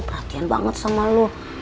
perhatian banget sama lo